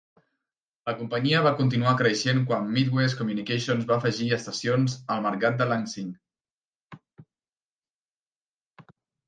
La companyia va continuar creixent quan Midwest Communications va afegir estacions al mercat de Lansing.